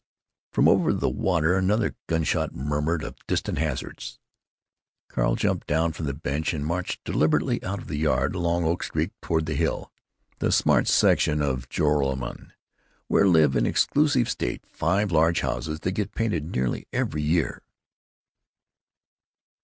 From over the water another gun shot murmured of distant hazards. Carl jumped down from the sawbuck and marched deliberately out of the yard, along Oak Street toward The Hill, the smart section of Joralemon, where live in exclusive state five large houses that get painted nearly every year.